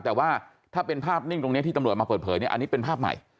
แต่ว่าถ้าเป็นภาพนิ่งตรงนี้ที่ตำรวจมาเปิดเผยเนี่ยอันนี้เป็นภาพใหม่